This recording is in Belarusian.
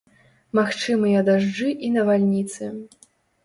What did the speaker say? Магчымыя дажджы і навальніцы.